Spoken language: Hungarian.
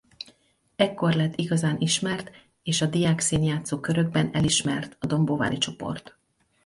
Ekkor lett igazán ismert és a diákszínjátszó körökben elismert a dombóvári csoport.